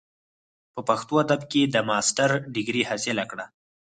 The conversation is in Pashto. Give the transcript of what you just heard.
پۀ پښتو ادب کښې د ماسټر ډګري حاصله کړه ۔